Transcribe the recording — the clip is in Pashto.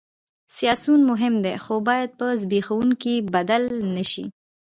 سیاسیون مهم دي خو باید په زبېښونکو بدل نه شي